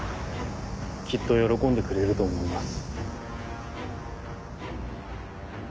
きっと喜んでくれると思います。